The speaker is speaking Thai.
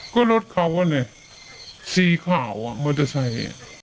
ก็รถเขาว่าเนี่ยสีขาวมันจะใส่